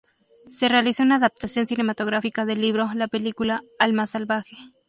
Se realizó una adaptación cinematográfica del libro, la película "Alma salvaje".